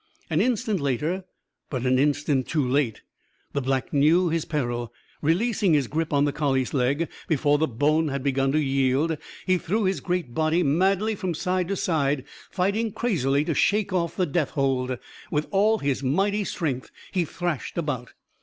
An instant later, but an instant too late, the Black knew his peril. Releasing his grip on the collie's leg, before the bone had begun to yield, he threw his great body madly from side to side, fighting crazily to shake off the death hold. With all his mighty strength, he thrashed about.